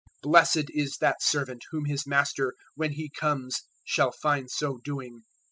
024:046 Blessed is that servant whom his master when he comes shall find so doing!